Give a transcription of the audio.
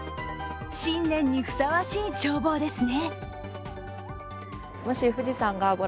新年にふさわしい眺望ですね。